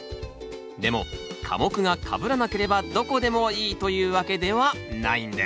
でも科目がかぶらなければどこでもいいというわけではないんです